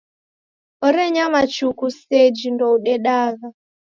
Orenyama chuku seji ndoudedagha.